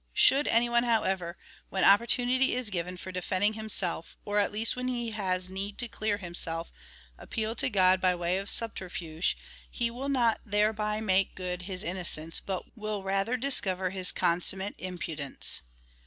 Should any one, however, when opportunity is given for defending himself, or at least when he has need to clear himself, ap peal to God by way of subterfuge, he will not thereby make good his innocence, but will rather discover his consummate impudence.